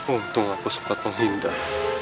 untung aku sempat menghindar